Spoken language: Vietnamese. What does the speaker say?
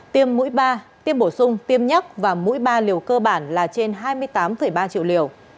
tiêm mũi ba tiêm bổ sung tiêm nhắc và mũi ba liều cơ bản là trên hai mươi tám ba triệu liều